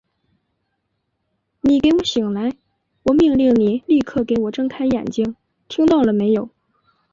你给我醒来！我命令你立刻给我睁开眼睛，听到了没有！